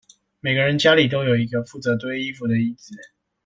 每個人家裡都有一個負責堆衣服的椅子